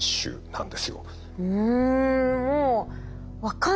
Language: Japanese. うん。